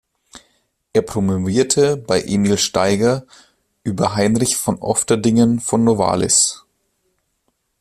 Er promovierte bei Emil Staiger über Heinrich von Ofterdingen von Novalis.